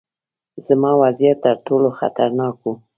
زما وضعیت ترټولو خطرناک و.